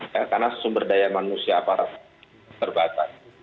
ya karena sumber daya manusia apa terbatas